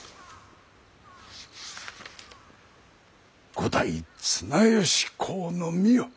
五代綱吉公の御世。